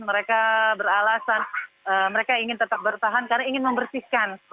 mereka beralasan mereka ingin tetap bertahan karena ingin membersihkan